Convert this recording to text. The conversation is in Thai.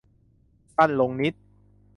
สั้นลงนิด